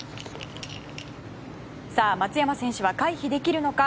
さあ、松山選手は回避できるのか。